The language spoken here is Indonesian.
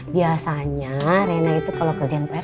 biasanya rena itu kalau kerjaan pr